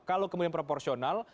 kalau kemudian proporsional